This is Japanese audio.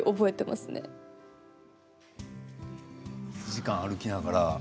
１時間歩きながら。